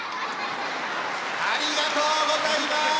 ありがとうございます！